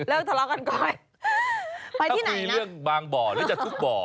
เลิกทะเลาะกันก่อนไปที่ไหนนะถ้าคุยเรื่องบางบ่อหรือจากทุกบ่อ